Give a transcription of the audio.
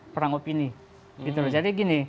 perang opini gitu loh jadi gini